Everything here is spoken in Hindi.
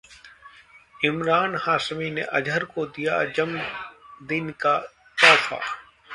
इमरान हाशमी ने अजहर को दिया जन्मदिन का तोहफा